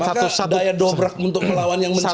maka daya dobrak untuk melawan yang mencintai